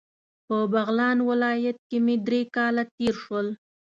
په بغلان ولایت کې مې درې کاله تیر شول.